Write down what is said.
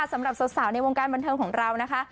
สำหรับสาวในวงการบันเทิงของเรานะคะ